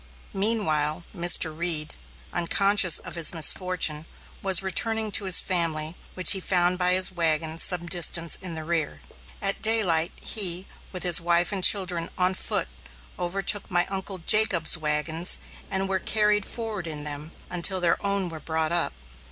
Meanwhile, Mr. Reed, unconscious of his misfortune, was returning to his family, which he found by his wagon, some distance in the rear. At daylight, he, with his wife and children, on foot, overtook my Uncle Jacob's wagons and were carried forward in them until their own were brought up.